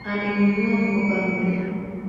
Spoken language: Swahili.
Amenunua mkoba mpya